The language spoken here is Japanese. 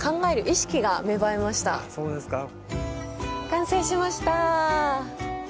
完成しました。